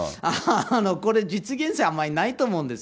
これ、実現性はあまりないと思うんです。